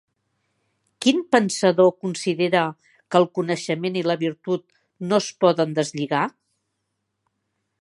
Quin pensador considera que el coneixement i la virtut no es poden deslligar?